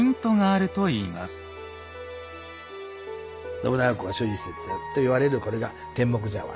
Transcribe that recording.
信長公が所持していたと言われるこれが茶碗？